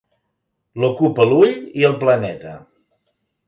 L'ocupa l'ull i el planeta.